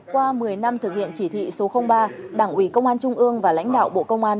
qua một mươi năm thực hiện chỉ thị số ba đảng ủy công an trung ương và lãnh đạo bộ công an